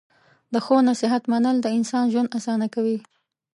د ښو نصیحت منل د انسان ژوند اسانه کوي.